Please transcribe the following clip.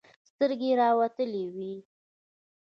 سترګې يې راوتلې وې.